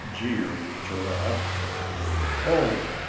jeered Giraffe. "Oh!"